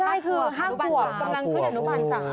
ใช่คือ๕ขวบกำลังขึ้นอนุบาล๓